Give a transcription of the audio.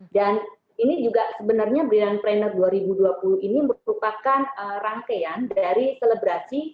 dan ini juga sebenarnya brilliant planner dua ribu dua puluh ini merupakan rangkaian dari selebrasi